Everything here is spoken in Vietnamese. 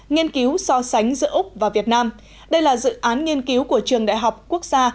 nghiên cứu so sánh giữa úc và việt nam đây là dự án nghiên cứu của trường đại học quốc gia